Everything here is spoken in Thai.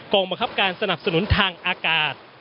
บังคับการสนับสนุนทางอากาศ